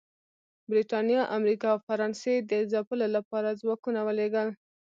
برېټانیا، امریکا او فرانسې د ځپلو لپاره ځواکونه ولېږل